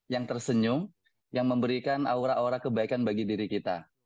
yang tersenyum yang memberikan aura aura kebaikan bagi diri kita